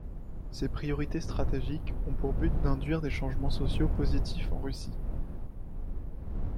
Ces priorités stratégiques ont pour but d’induire des changements sociaux positifs en Russie.